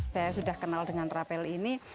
saya sudah kenal dengan rapel ini